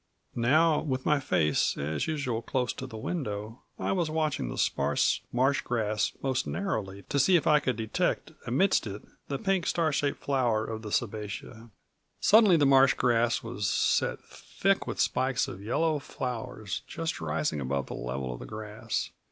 Now, with my face, as usual, close to the window, I was watching the sparse marsh grass most narrowly to see if I could detect amidst it the pink star shaped flower of the sabbatia. Suddenly the marsh grass was set thick with spikes of yellow flowers, just rising above the level of the grass.